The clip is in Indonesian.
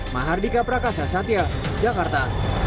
mahardika prakasa satya jakarta